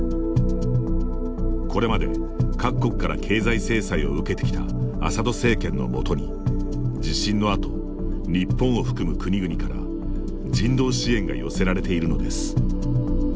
これまで各国から経済制裁を受けてきたアサド政権のもとに地震のあと、日本を含む国々から人道支援が寄せられているのです。